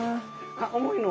あ重いの。